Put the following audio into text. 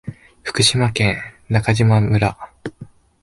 福島県中島村